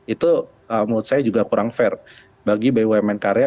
itu menurut saya juga kurang fair bagi bumn karya